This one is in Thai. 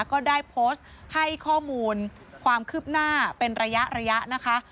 ก็ได้โพสต์ให้ข้อมูลความคืบหน้าเป็นระยะระยะนะคะ